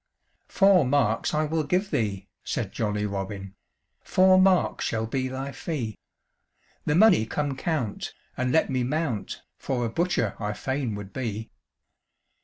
"Four marks I will give thee," said jolly Robin, "Four marks shall be thy fee; The money come count, and let me mount, For a butcher I fain would be."